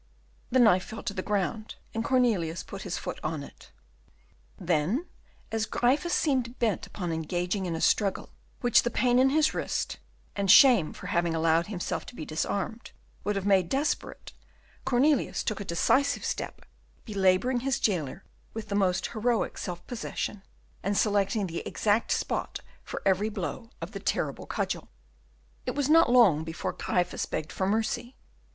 The knife fell to the ground, and Cornelius put his foot on it. Then, as Gryphus seemed bent upon engaging in a struggle which the pain in his wrist, and shame for having allowed himself to be disarmed, would have made desperate, Cornelius took a decisive step, belaboring his jailer with the most heroic self possession, and selecting the exact spot for every blow of the terrible cudgel. It was not long before Gryphus begged for mercy.